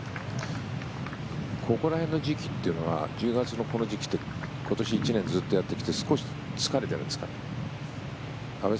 ここら辺の時期というのは１０月のこの時期は今年１年ずっとやってきて少し疲れてきているんですか？